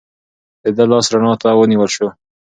د ده لاس رڼا ته ونیول شو.